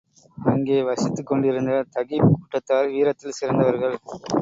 அங்கே வசித்துக் கொண்டிருந்த தகீப் கூட்டத்தார் வீரத்தில் சிறந்தவர்கள்.